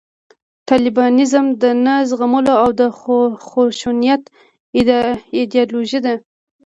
طالبانیزم د نه زغملو او د خشونت ایدیالوژي ده